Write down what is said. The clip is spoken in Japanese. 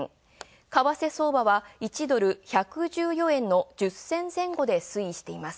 為替相場は１ドル１１４円の１０銭前後で推移しています。